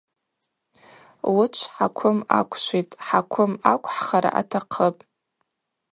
Уычв хӏаквым аквшвитӏ, хӏаквым аквхӏхара атахъыпӏ.